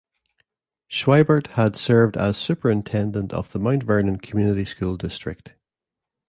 Schwiebert had served as superintendent of the Mount Vernon Community School District.